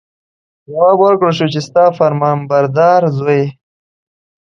جواب ورکړل شو چې ستا فرمانبردار زوی.